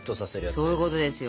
そういうことですよ。